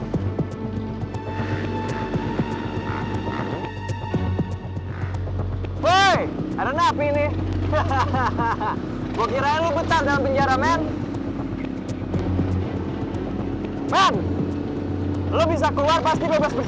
setelah kalau gitu udah belum gopi udah sih balik